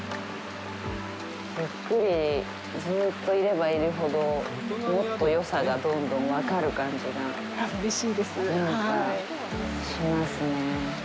ゆっくり、ずうっといればいるほどもっとよさがどんどん分かる感じがしますね。